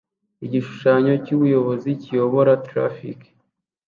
Igishushanyo cyubuyobozi kiyobora traffic